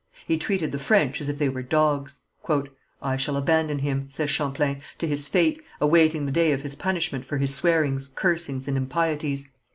He treated the French as if they were dogs. "I shall abandon him," says Champlain, "to his fate, awaiting the day of his punishment for his swearings, cursings and impieties."